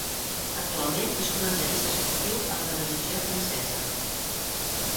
Actualment és comentarista esportiu a la televisió francesa.